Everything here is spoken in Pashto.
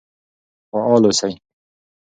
فعال اوسئ.